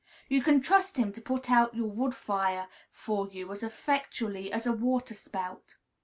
You can trust him to put out your wood fire for you as effectually as a water spout.